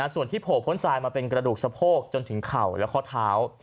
ส่วนที่โผล่พ้นทรายมาเป็นกระดูกสะโพกจนถึงเข่าและข้อเท้า